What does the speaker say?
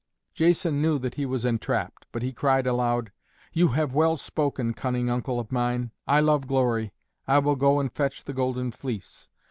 Jason knew that he was entrapped, but he cried aloud, "You have well spoken, cunning uncle of mine, I love glory. I will go and fetch the Golden Fleece.